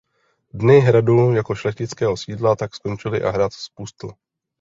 Dny hradu jako šlechtického sídla tak skončily a hrad zpustl.